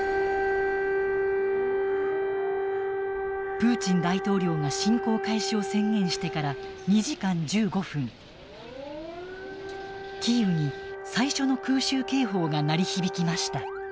プーチン大統領が侵攻開始を宣言してから２時間１５分キーウに最初の空襲警報が鳴り響きました。